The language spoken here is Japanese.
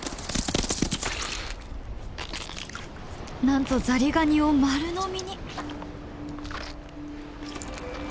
なんとザリガニを丸飲みに！